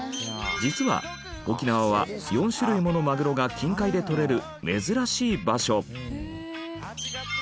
実は沖縄は４種類ものマグロが近海でとれる珍しい場所。